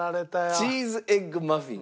チーズエッグマフィン。